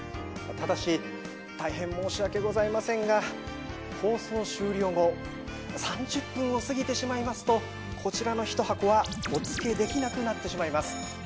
ただしたいへん申し訳ございませんが放送終了後３０分を過ぎてしまいますとこちらの１箱はお付けできなくなってしまいます。